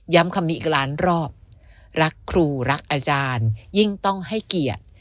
คำนี้อีกล้านรอบรักครูรักอาจารย์ยิ่งต้องให้เกียรติ